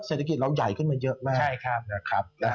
เศรษฐกิจเราใหญ่ขึ้นมาเยอะมาก